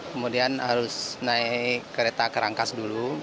kemudian harus naik kereta kerangkas dulu